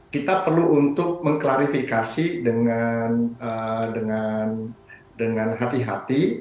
kita perlu untuk mengklarifikasi dengan hati hati